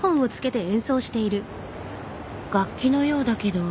楽器のようだけど。